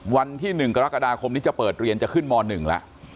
วันที่๑กรกฎาคมนี้จะเปิดเรียนจะขึ้นม๑แล้ว